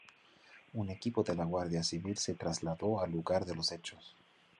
Un equipo de la Guardia Civil se trasladó al lugar de los hechos.